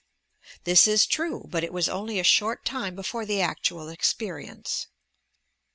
This is true, but it was only a short time before the actual experience.